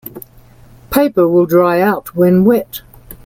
Paper will dry out when wet.